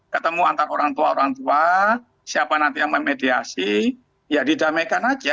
ketemu antara orang tua orang tua siapa nanti yang memediasi ya didamaikan aja